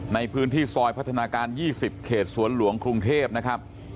ในพื้นที่ซอยพัฒนาการ๒๐เขตสวนหลวงกรุงเทพนะครับ